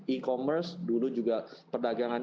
e commerce dulu juga perdagangan